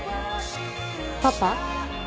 パパ？